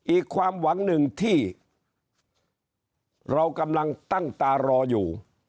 อีกความหวังหนึ่งที่เรากำลังตั้งตารออยู่